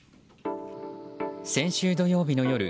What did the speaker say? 先週土曜日の夜